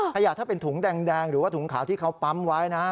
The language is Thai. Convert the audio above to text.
ขยะถ้าเป็นถุงแดงหรือว่าถุงขาวที่เขาปั๊มไว้นะ